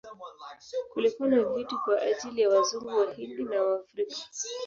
Kulikuwa na viti kwa ajili ya Wazungu, Wahindi na Waafrika.